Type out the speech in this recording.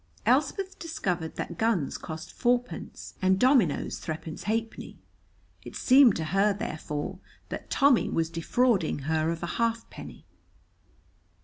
Elspeth discovered that guns cost fourpence, and dominoes threepence halfpenny; it seemed to her, therefore, that Tommy was defrauding her of a halfpenny.